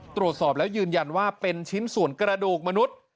ตรวจสอบแล้วยืนยันว่าเป็นชิ้นส่วนกระดูกมนุษย์